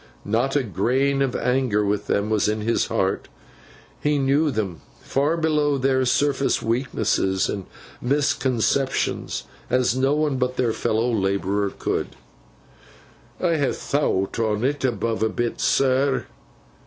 Not a grain of anger with them was in his heart; he knew them, far below their surface weaknesses and misconceptions, as no one but their fellow labourer could. 'I ha thowt on 't, above a bit, sir.